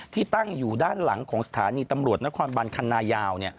ที่ตั้งอยู่ด้านหลังของสถานีตำรวจนครบันคันนายาว